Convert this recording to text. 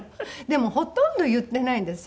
でもほとんど言ってないんです